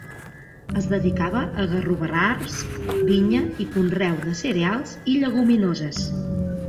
Es dedicava a garroverars, vinya i conreu de cereals i lleguminoses.